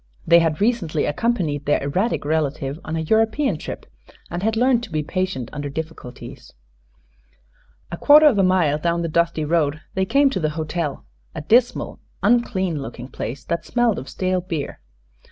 They had recently accompanied their erratic relative on a European trip and had learned to be patient under difficulties. A quarter of a mile down the dusty road they came to the hotel, a dismal, unclean looking place that smelled of stale beer.